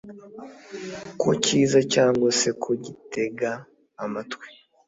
ko kiza cyangwa se ko gitega amatwi